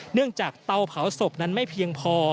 จากเตาเผาศพนั้นไม่เพียงพอ